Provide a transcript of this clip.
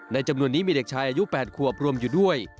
จำนวนนี้มีเด็กชายอายุ๘ขวบรวมอยู่ด้วย